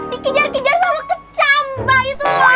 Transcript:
dikejar kejar sama kecamba itu